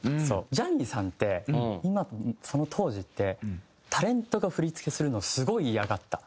ジャニーさんってその当時ってタレントが振付するのをすごい嫌がった。